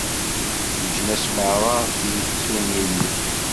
Leǧnas merra i yettun Illu.